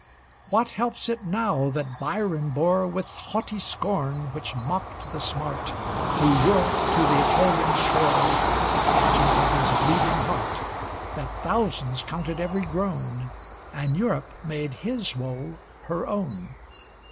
What helps it now that Byron bore, With haughty scorn which mocked the smart, Through Europe to the Ætolian shore The pageant of his bleeding heart? That thousands counted every groan, And Europe made his woe her own?